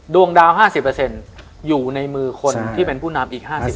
ดวงดาว๕๐อยู่ในมือคนที่เป็นผู้นำอีก๕๐